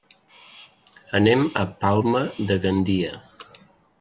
Anem a Palma de Gandia.